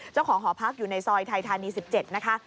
เจ้าของหอพักอยู่ในซอยไทยธานี๑๗นะคะ